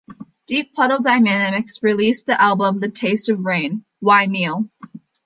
Deep Puddle Dynamics released the album The Taste of Rain... Why Kneel?